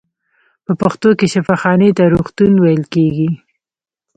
په پښتو کې شفاخانې ته روغتون ویل کیږی.